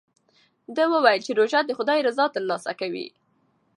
ده وویل چې روژه د خدای رضا ترلاسه کوي.